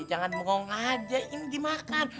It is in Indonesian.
jangan mogong aja ini dimakan